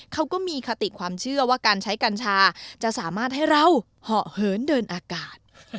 เขาก็มีคติความเชื่อว่าการใช้กัญชาจะสามารถให้เราเหาะเหินเดินอากาศ